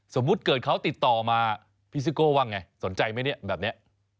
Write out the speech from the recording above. สมมุติเกิดเขาติดต่อมาพี่ซิโก้ว่าไงสนใจไหมเนี่ยแบบนี้